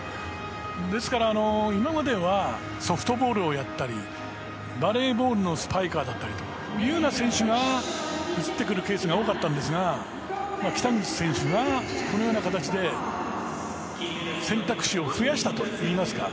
ですから、今まではソフトボールをやったりバレーボールのスパイカーだったりというような選手が移ってくるケースが多かったんですが北口選手は、このような形で選択肢を増やしたといいますか。